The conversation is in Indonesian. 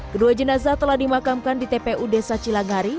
kedua jenazah telah dimakamkan di tpu desa cilangari